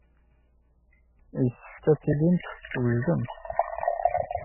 Yessefk ad tilimt twejdemt.